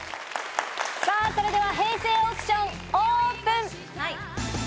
それでは平成オークション、オープン！